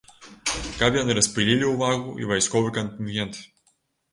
Каб яны распылілі ўвагу і вайсковы кантынгент.